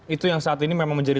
itu yang saat ini memang menjadi